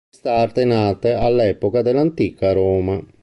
Questa arte è nata all'epoca dell'Antica Roma.